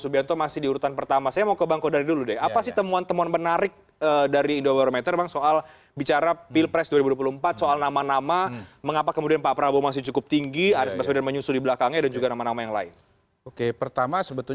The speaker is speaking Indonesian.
itu yang tadi menjadi lawan yang cukup berat